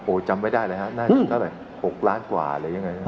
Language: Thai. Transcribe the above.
จำไม่ได้เลยฮะน่าจะเท่าไหร่๖ล้านกว่าหรือยังไง